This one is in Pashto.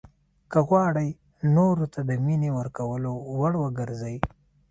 که غواړئ نورو ته د مینې ورکولو وړ وګرځئ.